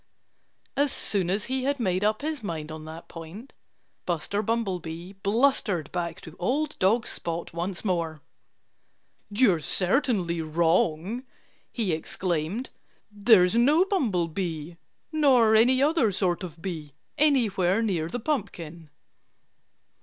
As soon as he had made up his mind on that point Buster Bumblebee blustered back to old dog Spot once more. "You're certainly wrong!" he exclaimed. "There's no bumblebee nor any other sort of bee anywhere near the pumpkin."